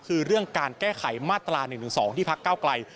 คือเรื่องการแก้ไขมาตรา๑๑๒ที่พักเก้าไกล